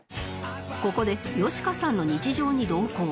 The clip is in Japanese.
ここでよしかさんの日常に同行